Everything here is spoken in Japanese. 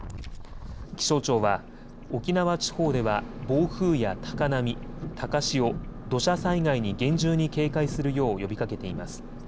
気象庁は沖縄地方では暴風や高波、高潮、土砂災害に厳重に警戒するよう呼びかけています。